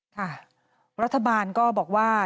ค่ะรัฐบาลก็บอกว่า